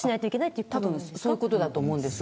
そういうことだと思います。